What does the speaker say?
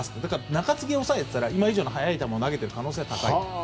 中継ぎや抑えだったらもっと速い球を投げている可能性が高い。